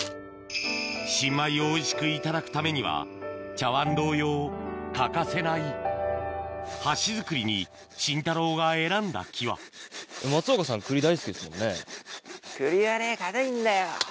新米をおいしくいただくためには茶碗同様欠かせない箸作りにシンタローが選んだ木は栗はね堅いんだよ！